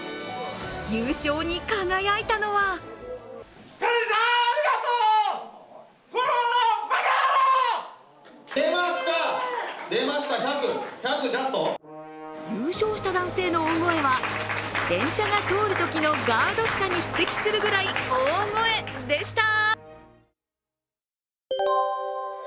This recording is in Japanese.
優勝に輝いたのは優勝した男性の大声は電車が通るときのガード下に匹敵するくらい大声でした。